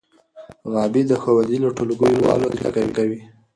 غابي د ښوونځي له ټولګیوالو زده کړې کوي.